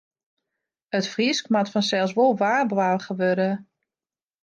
It Frysk moat fansels wol waarboarge wurde.